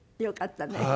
よかったね。